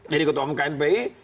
jadi ketemu knpi